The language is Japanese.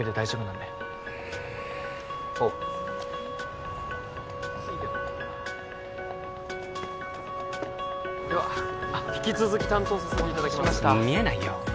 うんおうでは引き続き担当させていただきます見えないよ